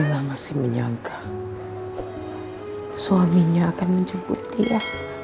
dia masih menyangka suaminya akan menjemput dia